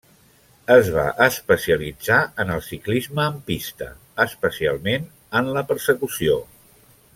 Es va especialitzar en el ciclisme en pista, especialment en la Persecució.